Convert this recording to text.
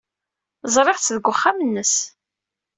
Ẓriɣ-tt deg wexxam-nnes.